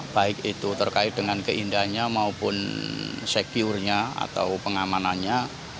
baik itu terkait dengan keindahannya maupun sekurnya atau pengamanannya